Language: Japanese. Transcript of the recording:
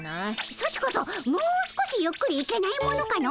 ソチこそもう少しゆっくり行けないものかの？